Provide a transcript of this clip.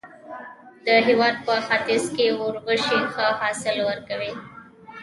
د هېواد په ختیځ کې اوربشې ښه حاصل ورکوي.